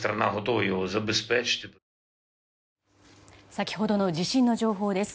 先ほどの地震の情報です。